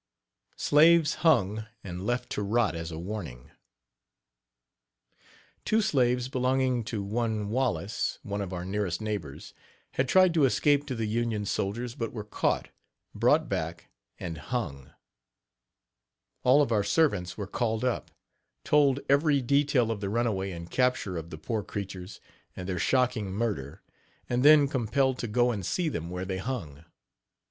SLAVES HUNG AND LEFT TO ROT AS A WARNING. Two slaves belonging to one Wallace, one of our nearest neighbors, had tried to escape to the Union soldiers, but were caught, brought back and hung. All of our servants were called up, told every detail of the runaway and capture of the poor creatures and their shocking murder, and then compelled to go and see them where they hung.